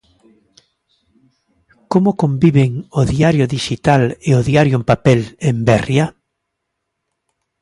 Como conviven o diario dixital e o diario en papel en Berria?